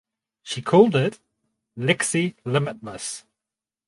She called it "Lexie Limitless".